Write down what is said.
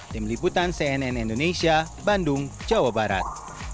tim liputan cnn indonesia bandung jawa barat